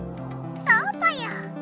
そうぽよ！